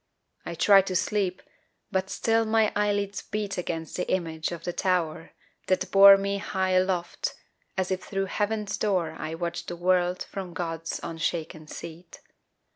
I try to sleep, but still my eyelids beat Against the image of the tower that bore Me high aloft, as if thru heaven's door I watched the world from God's unshaken seat.